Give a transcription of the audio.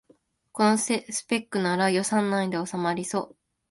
このスペックなら予算内でおさまりそう